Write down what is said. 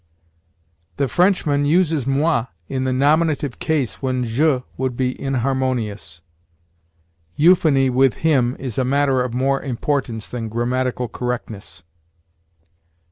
The Frenchman uses moi in the nominative case when je would be inharmonious. Euphony with him is a matter of more importance than grammatical correctness.